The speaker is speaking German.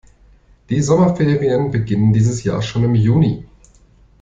Die Sommerferien beginnen dieses Jahr schon im Juni.